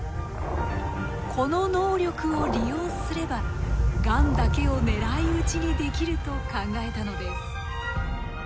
この能力を利用すればがんだけを狙い撃ちにできると考えたのです。